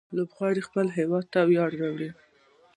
لوبغاړي خپل هيواد ته ویاړ راوړي.